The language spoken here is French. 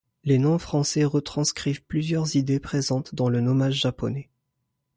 Les noms français retranscrivent plusieurs idées présentes dans le nommage japonais.